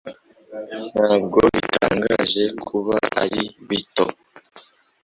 Ntabwo bitangaje kuba ari bito